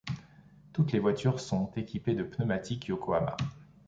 Toutes les voitures sont équipées de pneumatiques Yokohama.